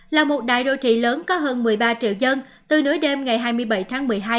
là một đại đô thị lớn có hơn một mươi ba triệu dân từ nối đêm ngày hai mươi bảy tháng một mươi hai